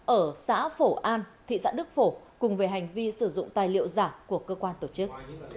ở xã phổ an thị xã đức phổ cùng về hành vi sử dụng tài liệu giả của cơ quan tổ chức